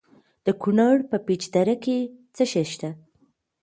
د کونړ په پيچ دره کې څه شی شته؟